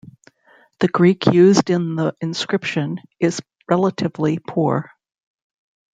The Greek used in the inscription is relatively poor.